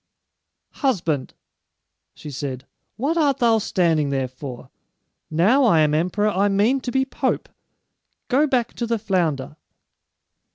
"Husband," she said, "what art thou standing there for? Now I am emperor, I mean to be pope! Go back to the flounder."